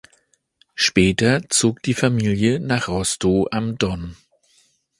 Später zog die Familie nach Rostow am Don.